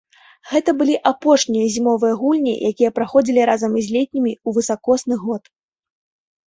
Гэта былі апошнія зімовыя гульні, якія праходзілі разам з летнімі ў высакосны год.